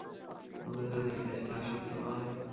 আমরা যাহা দেখিতেছি, তাহা সত্য নয়।